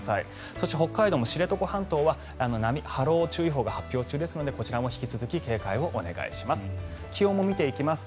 そして、北海道も知床半島は波浪注意報が発表中ですのでこちらも引き続き警戒をお願いします。